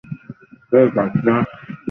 হেই, partner!